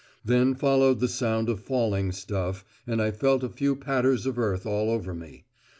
Then followed the sound of falling stuff, and I felt a few patters of earth all over me.